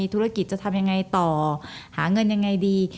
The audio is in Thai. ธุรกิจจะทำยังไงต่อหาเงินยังไงดี